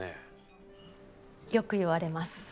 よく言われます。